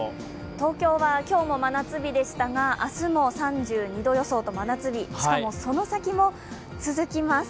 東京は今日も真夏日でしたが明日も３２度予想と真夏日、しかもその先も続きます。